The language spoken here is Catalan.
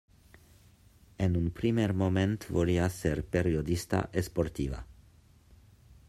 En un primer moment volia ser periodista esportiva.